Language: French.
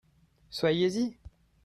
Soyez-y.